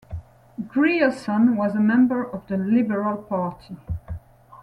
Grierson was a member of the Liberal Party.